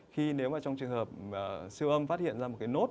khi nếu mà trong trường hợp siêu âm phát hiện ra một cái nốt